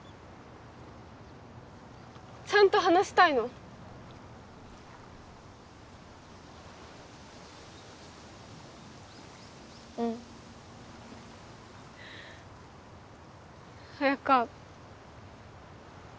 ちゃんと話したいのうん彩花